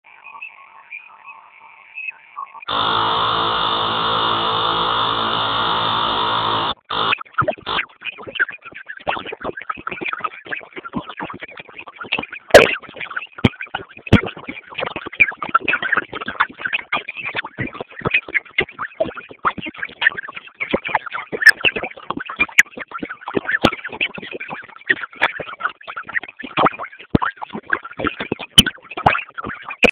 However, it is an easy target for binoculars.